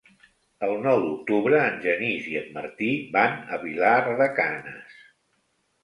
El nou d'octubre en Genís i en Martí van a Vilar de Canes.